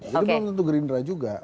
jadi memang tentu gerindra juga